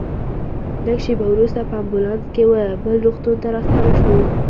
لږ شېبه وروسته په امبولانس کې وه بل روغتون ته راستانه شوو.